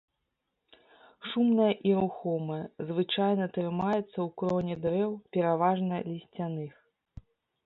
Шумная і рухомая, звычайна трымаецца ў кроне дрэў, пераважна лісцяных.